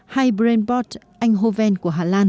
hay brainport anh hô ven của hà lan